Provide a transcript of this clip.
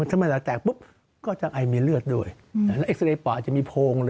สมมุติปอดเนี่ยเป็นส่วนใหญ่นะคะ